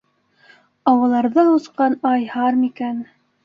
Ауаларҙа осҡан, ай, һар микән